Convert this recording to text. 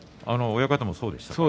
親方は、そうでしたか。